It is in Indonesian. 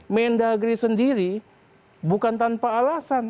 mendagri sendiri bukan tanpa alasan